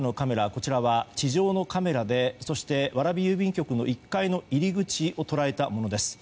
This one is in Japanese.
こちらは地上のカメラでそして蕨郵便局の１階の入り口を捉えたものです。